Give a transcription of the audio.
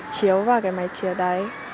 chiếu vào cái máy chiếu đấy